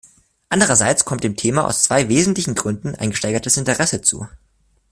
Andererseits kommt dem Thema aus zwei wesentlichen Gründen ein gesteigertes Interesse zu.